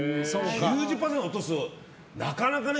９０％落とすってなかなかない。